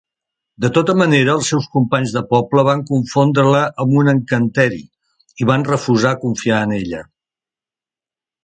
De tota manera, els seus companys de poble van confondre-la amb un encanteri i van refusar confiar en ella.